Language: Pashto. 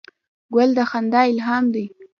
ګل د خندا الهام دی.